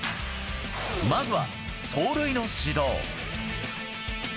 まずは、走塁の指導。